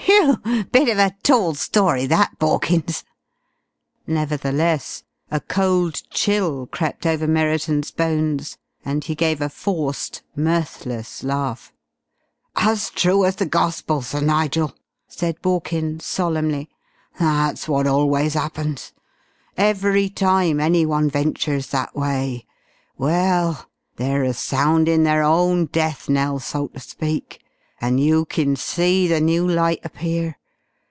"Whew! Bit of a tall story that, Borkins!" Nevertheless a cold chill crept over Merriton's bones and he gave a forced, mirthless laugh. "As true as the gospel, Sir Nigel!" said Borkins, solemnly. "That's what always 'appens. Every time any one ventures that way well, they're a soundin' their own death knell, so to speak, and you kin see the new light appear.